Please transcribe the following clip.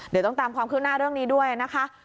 เดี๋ยวต้องตามความคืบหน้าเรื่องนี้ด้วยนะคะ